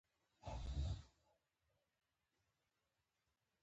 د انټرنېټ د پراختیا لپاره ځوانان مهم رول لري.